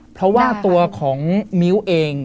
เพราะว่าตัวของมิ้วเอง